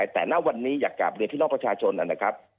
แต่ณวันนี้อยากกลับเรียนพี่น้องประชาชนนะครับ